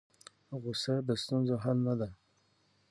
غوسه د ستونزو حل نه دی.